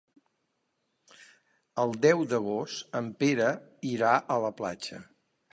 El deu d'agost en Pere irà a la platja.